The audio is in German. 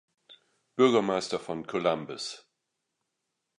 Bürgermeister von Columbus.